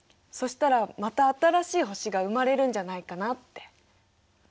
そしたらまた新しい星が生まれるんじゃないかなって。